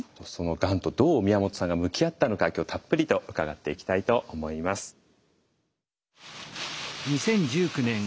そのがんとどう宮本さんが向き合ったのか今日たっぷりと伺っていきたいと思います。